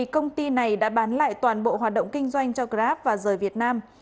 công ty này đã bán lại toàn bộ hoạt động kinh doanh cho grab và rời việt nam